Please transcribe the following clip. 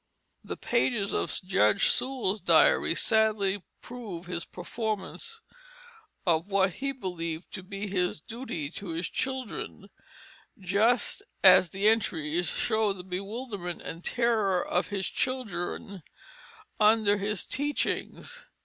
The pages of Judge Sewall's diary sadly prove his performance of what he believed to be his duty to his children, just as the entries show the bewilderment and terror of his children under his teachings.